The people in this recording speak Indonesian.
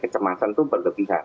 kecemasan itu berlebihan